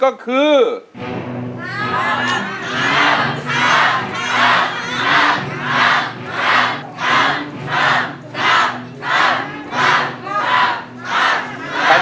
ร้องได้ให้ร้อง